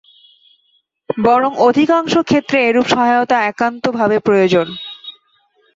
বরং অধিকাংশ ক্ষেত্রে এরূপ সহায়তা একান্ত ভাবে প্রয়োজন।